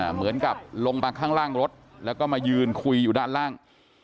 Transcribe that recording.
เหมือนกับลงมาข้างล่างรถแล้วก็มายืนคุยอยู่ด้านล่าง